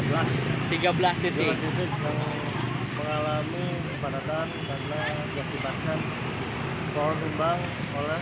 tiga belas titik yang mengalami kepanatan karena diaktifkan pohon tumbang oleh angin